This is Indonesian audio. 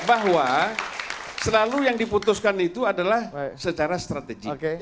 bahwa selalu yang diputuskan itu adalah secara strategik